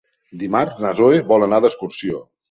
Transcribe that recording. Dimarts na Zoè vol anar d'excursió.